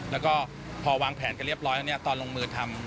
แล้วก็พอวางแผนกันเรียบร้อยแล้วตอนลงมือทำ